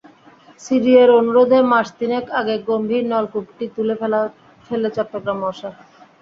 সিডিএর অনুরোধে মাস তিনেক আগে গভীর নলকূপটি তুলে ফেলে চট্টগ্রাম ওয়াসা।